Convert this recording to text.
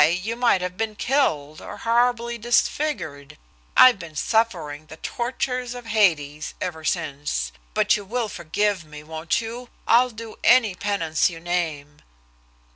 you might have been killed or horribly disfigured. I've been suffering the tortures of Hades ever since. But you will forgive me, won't you? I'll do any penance you name."